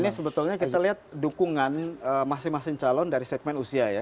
ini sebetulnya kita lihat dukungan masing masing calon dari segmen usia ya